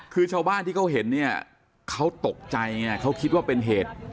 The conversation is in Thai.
คือชาวบ้านที่เขาเห็นเนี่ยเขาตกใจไงเขาคิดว่าเป็นเหตุ